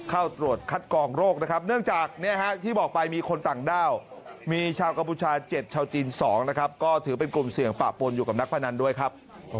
เข้าตรวจคัดกรองโรคนะครับ